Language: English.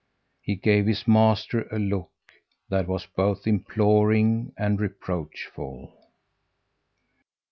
He gave his master a look that was both imploring and reproachful.